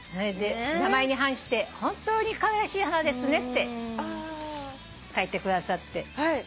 「名前に反して本当にかわいらしい花ですね」って書いてくださって。